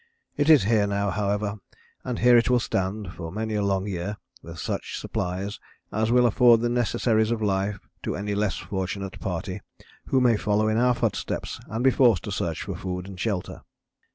It is here now, however, and here it will stand for many a long year with such supplies as will afford the necessaries of life to any less fortunate party who may follow in our footsteps and be forced to search for food and shelter."